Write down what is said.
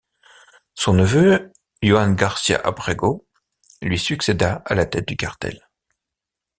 Son neveu, Juan García Abrego, lui succéda à la tête du cartel.